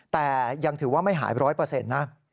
แต่ยังถือว่าไม่หายร้อยเปอร์เซ็นต์นะ